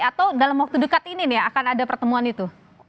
atau dalam waktu dekat ini nih akan ada pertemuan itu